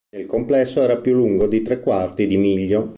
Nel complesso era più lungo di tre quarti di miglio.